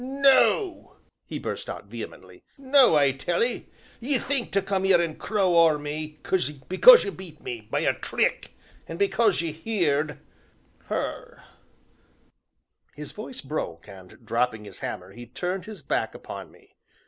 "No," he burst out vehemently. "No, I tell 'ee. Ye think to come 'ere an' crow o'er me, because ye beat me, by a trick, and because ye heerd her " His voice broke, and, dropping his hammer, he turned his back upon me.